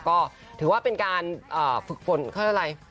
ก็ถือว่าเป็นการฝึกฝนเขาเรียกอะไร